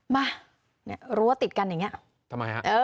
มาเนี่ยรั้วติดกันอย่างนี้ทำไมฮะ